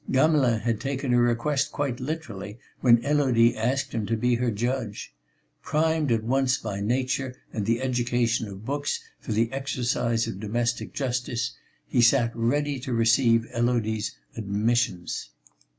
Gamelin had taken her request quite literally when Élodie asked him to be her judge. Primed at once by nature and the education of books for the exercise of domestic justice, he sat ready to receive Élodie's admissions.